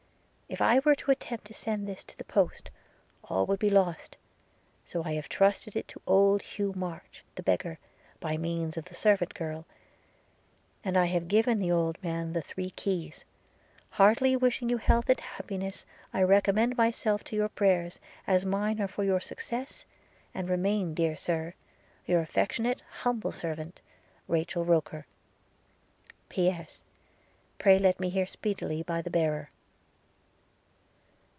If I were to attempt to send this to the post, all would be lost: so I have trusted it to old Hugh March the beggar, by means of the servant girl, and I have given the old man the three keys. Heartily wishing you health and happiness I recommend myself to your prayers, as mine are for your success, and remain, dear Sir, Your affectionate humble servant, RACHEL ROKER. P.S. Pray let me hear speedily by the bearer.'